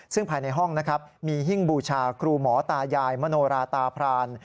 ซึ่งภายในห้องนะครับมีหิ้งบูชาครูหมอตายายมโนราตาพราน